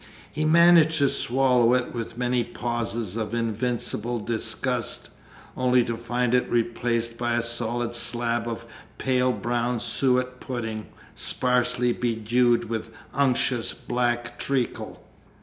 He managed to swallow it with many pauses of invincible disgust only to find it replaced by a solid slab of pale brown suet pudding, sparsely bedewed with unctuous black treacle.